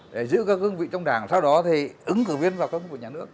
để giữ các cơ cấu ủy trong đảng sau đó thì ứng cử viên vào các cơ cấu của nhà nước